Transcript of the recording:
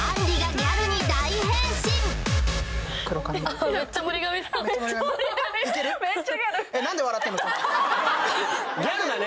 ギャルだね？